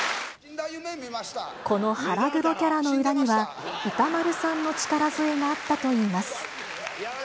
この腹黒キャラの裏には、歌丸さんの力添えがあったといいます。